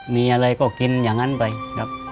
มีอะไรก็กินอย่างนั้นไปครับ